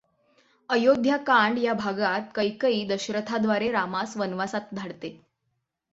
अयोध्या कांड या भागात कैकेयी दशरथाद्वारे रामास वनवासात धाडते.